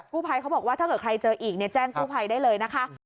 กู้ไพเขาบอกว่าเธอกับใครเจออีกเนี่ยแจ้งกู้ไพได้เลยนะคะ